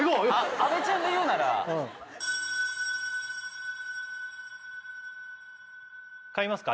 阿部ちゃんが言うなら買いますか？